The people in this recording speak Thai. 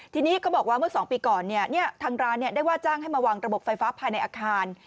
ทีนี้เขาบอกว่าเมื่อ๒ปีก่อนทางร้านได้ว่าจ้างให้มาวางระบบไฟฟ้าภายในอาคาร